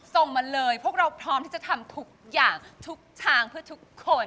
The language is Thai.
ส่งมาเลยพวกเราพร้อมที่จะทำทุกอย่างทุกทางเพื่อทุกคน